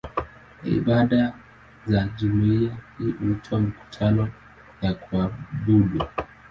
Ibada za jumuiya hii huitwa "mikutano ya kuabudu".